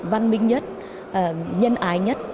văn minh nhất nhân ái nhất